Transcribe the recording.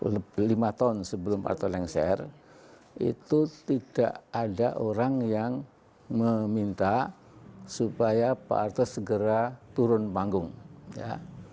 lebih lima tahun sebelum pak arto lengser itu tidak ada orang yang meminta supaya pak arto segera turun panggung ya